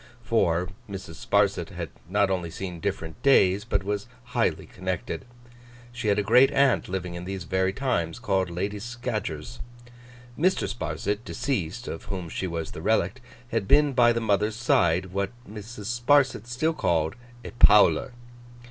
For, Mrs. Sparsit had not only seen different days, but was highly connected. She had a great aunt living in these very times called Lady Scadgers. Mr. Sparsit, deceased, of whom she was the relict, had been by the mother's side what Mrs. Sparsit still called 'a Powler.